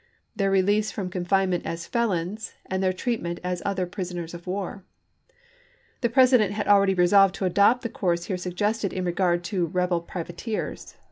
Huger, release irom confinement as ielons, and their Jan • 23 1862. ' treatment as other prisoners of war. The Presi dent had already resolved to adopt the course here suggested in regard to rebel privateers.